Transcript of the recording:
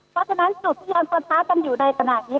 เพราะฉะนั้นสูตรที่ยังควรท้าจำอยู่ในตระหน่ายนี้